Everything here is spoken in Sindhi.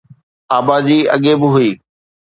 آبادي اڳي به هئي